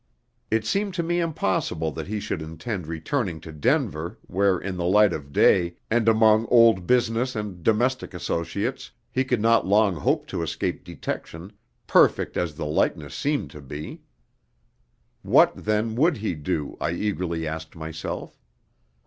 It seemed to me impossible that he should intend returning to Denver, where, in the light of day, and among old business and domestic associates, he could not long hope to escape detection, perfect as the likeness seemed to be. What, then, would he do, I eagerly asked myself?